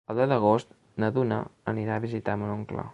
El deu d'agost na Duna anirà a visitar mon oncle.